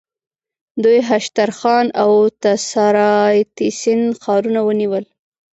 دوی هشترخان او تساریتسین ښارونه ونیول.